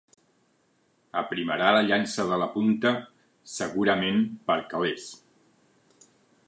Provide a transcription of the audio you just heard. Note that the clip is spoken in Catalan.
Aprimarà la llança de la punta, segurament per calés.